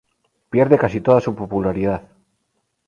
Pierde casi toda su popularidad.